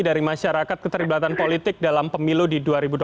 dari masyarakat keterlibatan politik dalam pemilu di dua ribu dua puluh